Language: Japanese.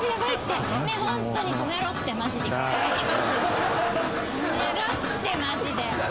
止めろってマジで。